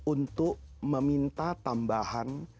untuk meminta tambahan